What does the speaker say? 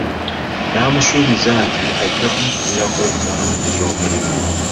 N’amusuubiza nti ajja kumufubirako okumunoonyeza omulimu.